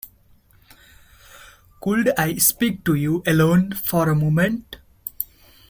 Could I speak to you alone for a moment?